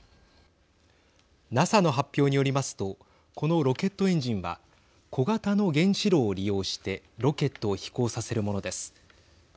ＮＡＳＡの発表によりますとこのロケットエンジンは小型の原子炉を利用してロケットを飛行させるものです。